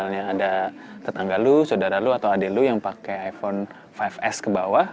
misalnya ada tetangga lo sodara lo atau adik lo yang pakai iphone lima s ke bawah